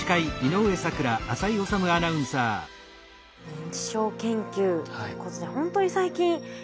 認知症研究ということで本当に最近よく聞きますよね。